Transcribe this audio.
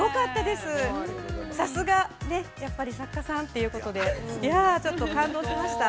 ◆さすが、やっぱり作家さんということで、いやー、ちょっと感動しました。